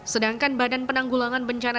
sedangkan badan penanggulangan bencana